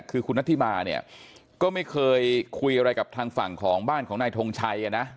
คือคุณนัทธิมาเนี่ยก็ไม่เคยคุยอะไรกับทางฝั่งของบ้านของนายทงชัยนะ